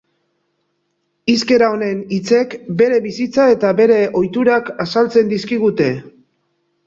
Hizkera honen hitzek bere bizitza eta bere ohiturak azaltzen dizkigute.